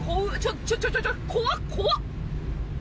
ちょちょちょ、怖っ、怖っ。